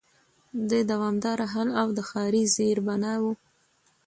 د دوامدار حل او د ښاري زېربناوو